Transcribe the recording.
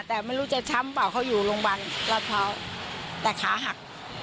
แต่ไม่รู้จะช้ำเปล่าเขาอยู่โรงพยาบาลรัฐพร้าวแต่ขาหัก